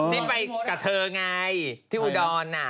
ที่ไปกับเธอไงที่อุดรน่ะ